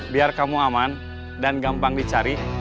biar kamu aman dan gampang dicari